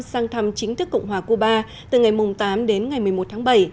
sang thăm chính thức cộng hòa cuba từ ngày tám đến ngày một mươi một tháng bảy